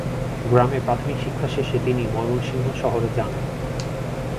গ্রামে প্রাথমিক শিক্ষা শেষে তিনি ময়মনসিংহ শহরে যান।